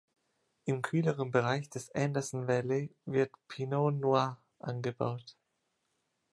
Im kühleren Bereich des Anderson Valley wird Pinot Noir angebaut.